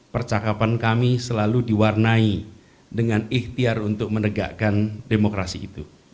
percakapan kami selalu diwarnai dengan ikhtiar untuk menegakkan demokrasi itu